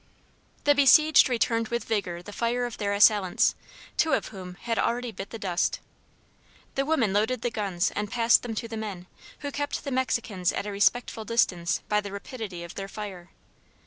The besieged returned with vigor the fire of their assailants, two of whom had already bit the dust. The women loaded the guns and passed them to the men, who kept the Mexicans at a respectful distance by the rapidity of their fire.